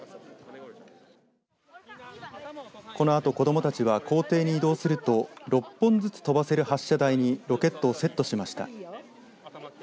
このあと子どもたちは校庭に移動すると６本ずつ飛ばせる発射台にロケットをセットしました。